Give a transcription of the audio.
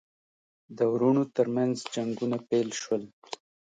د وروڼو ترمنځ جنګونه پیل شول.